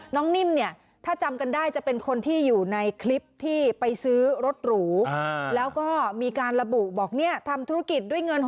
นิ่มเนี่ยถ้าจำกันได้จะเป็นคนที่อยู่ในคลิปที่ไปซื้อรถหรูแล้วก็มีการระบุบอกเนี่ยทำธุรกิจด้วยเงิน